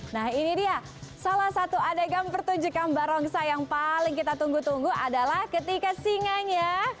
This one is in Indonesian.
nah ini dia salah satu adegan pertunjukan barongsai yang paling kita tunggu tunggu adalah ketika singanya